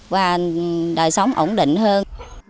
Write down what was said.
và đời sống ổn định hơn